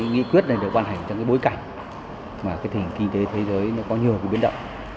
nghị quyết này được ban hành trong bối cảnh mà thỉnh kinh tế thế giới có nhiều biến động